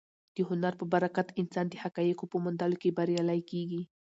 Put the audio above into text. د هنر په برکت انسان د حقایقو په موندلو کې بریالی کېږي.